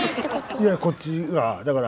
いやこっちがだから。